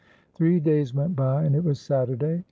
Three days went by, and it was Saturday.